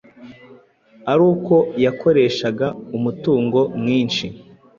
ari uko yakoreshega umutungo mwinshi